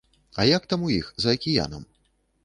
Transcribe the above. А як там у іх, за акіянам?